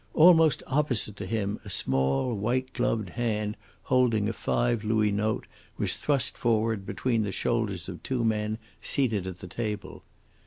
Almost opposite to him a small, white gloved hand holding a five louis note was thrust forward between the shoulders of two men seated at the table.